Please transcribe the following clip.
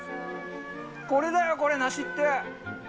これだよ、これ、梨って。